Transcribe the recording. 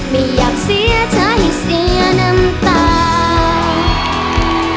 ไม่อยากเสียเธอให้เสียน้ำตา